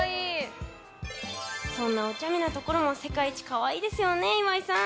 そんなおちゃめなところも世界一可愛いですよね、岩井さん。